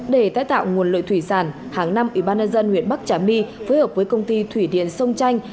để tái tạo nguồn lợi thủy sản hàng năm ủy ban nhân dân huyện bắc trà my phối hợp với công ty thủy điện sông chanh